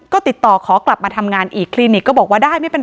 ก็ติดต่อขอกลับมาทำงานอีกคลินิกก็บอกว่าได้ไม่เป็นไ